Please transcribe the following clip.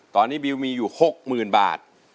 ตอนนี้บิวมีอยู่๖๐๐๐บาท